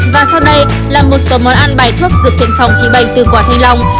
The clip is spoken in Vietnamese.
và sau đây là một số món ăn bài thuốc dược thiện phòng trị bệnh từ quả thanh long